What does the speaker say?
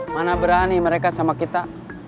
mana berani mereka sama kita